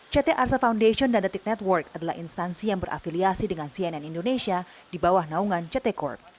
ct arsa foundation dan detik network adalah instansi yang berafiliasi dengan cnn indonesia di bawah naungan ct corp